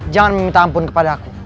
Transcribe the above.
jangan meminta ampun kepada aku